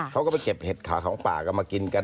เขาก็ไปเก็บเห็ดขาของป่ากันมากินกัน